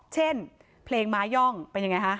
เช่นเพลงม้าย่องเป็นยังไงคะ